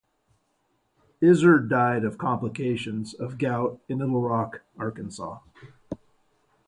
Izard died of complications of gout in Little Rock, Arkansas.